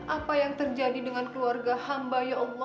apa yang terjadi dengan keluarga hamba ya allah